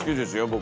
僕。